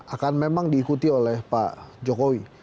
akan memang diikuti oleh pak jokowi